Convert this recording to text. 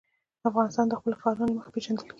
افغانستان د خپلو ښارونو له مخې پېژندل کېږي.